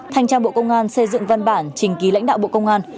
thành trang bộ công an xây dựng văn bản trình ký lãnh đạo bộ công an